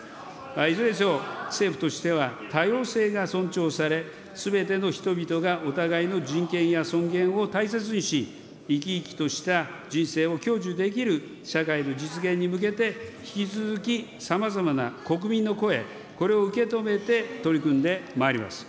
いずれにせよ、政府としては多様性が尊重され、すべての人々がお互いの人権や尊厳を大切にし、生き生きとした人生を享受できる社会の実現に向けて、引き続き、さまざまな国民の声、これを受け止めて取り組んでまいります。